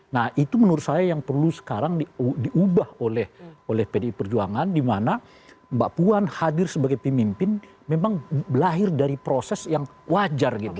nah itu menurut saya yang perlu sekarang diubah oleh pdi perjuangan di mana mbak puan hadir sebagai pemimpin memang lahir dari proses yang wajar gitu